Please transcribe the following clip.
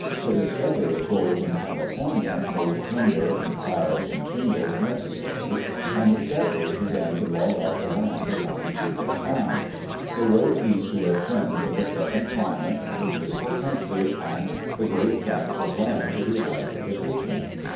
The dis covery of gold in California made timber and piles and shingles necessary, and settlers began to log off the lands around Puget Sound. They wrote east to their friends of the pleasant climate and the beautiful country and the great tracts of land to be had for the taking.